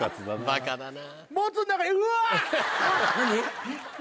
バカだな。